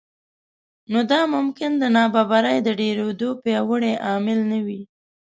نو دا ممکن د نابرابرۍ د ډېرېدو پیاوړی عامل نه وي